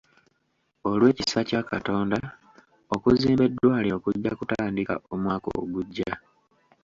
Olw'ekisa kya Katonda, okuzimba eddwaliro kujja kutandika omwaka ogujja.